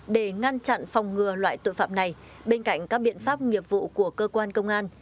để ngăn chặn phòng ngừa loại tội phạm này bên cạnh các biện pháp nghiệp vụ của cơ quan công an